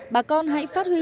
bà con hãy phát huy